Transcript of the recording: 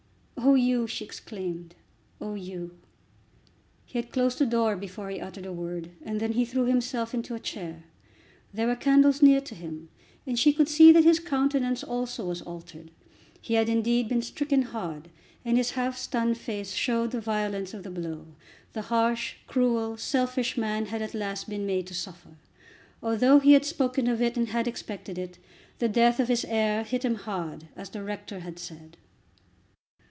"Oh, Hugh!" she exclaimed, "oh, Hugh!" He had closed the door before he uttered a word, and then he threw himself into a chair. There were candles near to him and she could see that his countenance also was altered. He had indeed been stricken hard, and his half stunned face showed the violence of the blow. The harsh, cruel, selfish man had at last been made to suffer. Although he had spoken of it and had expected it, the death of his heir hit him hard, as the rector had said.